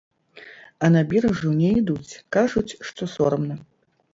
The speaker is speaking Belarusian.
А на біржу не ідуць, кажуць, што сорамна.